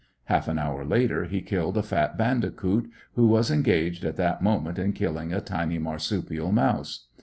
Half an hour later he killed a fat bandicoot, who was engaged at that moment in killing a tiny marsupial mouse.